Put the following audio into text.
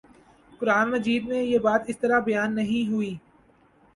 قرآنِ مجید میں یہ بات اس طرح بیان نہیں ہوئی